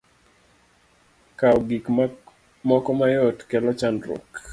Kawo gik moko mayot, kelo chandruok.